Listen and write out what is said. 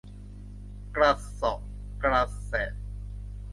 กระเสาะกระแสะ